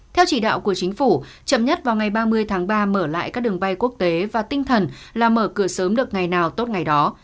theo chỉ đạo của chính phủ chậm nhất vào ngày ba mươi tháng ba mở lại các đường bay quốc tế và tinh thần là mở cửa sớm được ngày nào tốt ngày đó